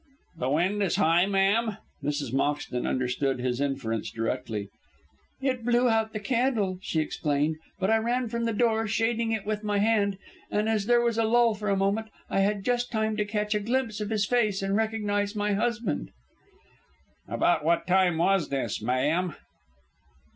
"The wind is high, ma'am?" Mrs. Moxton understood his inference directly. "It blew out the candle," she explained; "but I ran from the door, shading it with my hand, and as there was a lull for a moment, I had just time to catch a glimpse of his face and recognise my husband." "About what time was this, ma'am?"